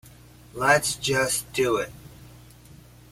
Let's just do it.